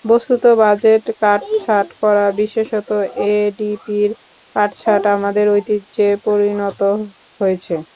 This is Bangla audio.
বস্তুত বাজেট কাটছাঁট করা, বিশেষত এডিপির কাটছাঁট আমাদের ঐতিহ্যে পরিণত হয়েছে।